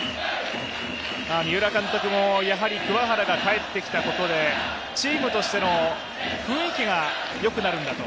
三浦監督も桑原が帰ってきたことでチームとしての雰囲気がよくなるんだと。